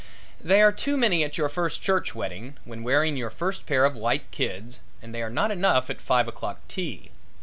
They are too many at your first church wedding when wearing your first pair of white kids and they are not enough at a five o'clock tea.